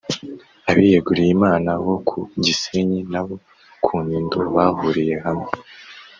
abiyeguriyimana bo ku gisenyi n’abo ku nyundo bahuriye hamwe